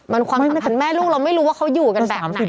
มันความที่มันเป็นแม่ลูกเราไม่รู้ว่าเขาอยู่กันแบบไหน